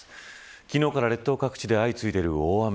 昨日から列島各地で相次いでいる大雨。